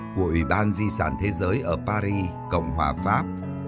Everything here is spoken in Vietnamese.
của ủy ban di sản thế giới ở paris cộng hòa pháp